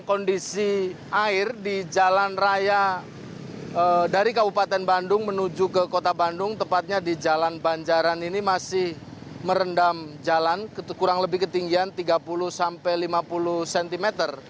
kondisi air di jalan raya dari kabupaten bandung menuju ke kota bandung tepatnya di jalan banjaran ini masih merendam jalan kurang lebih ketinggian tiga puluh sampai lima puluh cm